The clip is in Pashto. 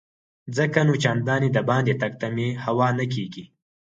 ځکه نو چنداني دباندې تګ ته مې هوا نه کیږي.